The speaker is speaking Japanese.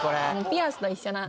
ピアスと一緒な。